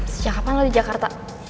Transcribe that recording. sejak kapan lah di jakarta